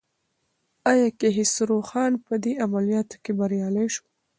ایا کیخسرو خان په دې عملیاتو کې بریالی شو؟